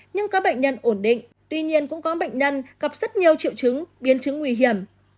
nhưng có bệnh nhân ổn định tuy nhiên cũng có bệnh nhân gặp rất nhiều triệu chứng biến chứng nguy hiểm